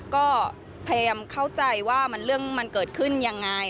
ก็พยายามเข้าใจว่าเรื่องมันเกิดขึ้นยังไง